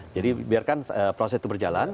jadi biarkan proses itu berjalan